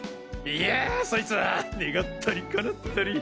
いやぁそいつは願ったり叶ったり。